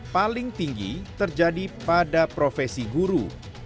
paling tinggi terjadi pada profesi guru